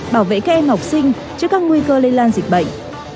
bảo vệ các em học sinh trước các nguy cơ lây lan dịch bệnh